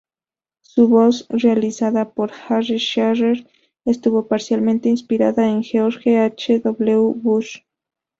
Su voz, realizada por Harry Shearer, estuvo parcialmente inspirada en George H. W. Bush.